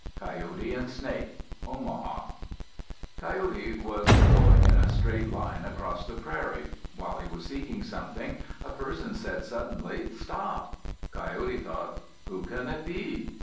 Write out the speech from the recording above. COYOTE AND SNAKE Omaha Coyote was going in a straight line across the prairie. While he was seeking something, a person said suddenly, "Stop!" Coyote thought, "Who can it be?"